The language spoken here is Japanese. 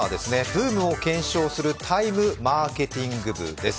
ブームを検証する「ＴＩＭＥマーケティング部」です